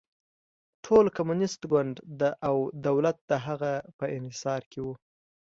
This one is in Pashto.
ټول کمونېست ګوند او دولت د هغه په انحصار کې و.